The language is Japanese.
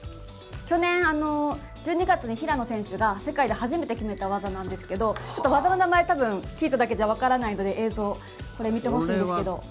去年１２月に平野選手が世界で初めて決めた技なんですがちょっと技の名前多分聞いただけじゃわからないと思うので映像を見てほしいんですけど。